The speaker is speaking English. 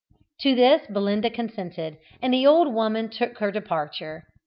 To this Belinda consented, and the old woman took her departure.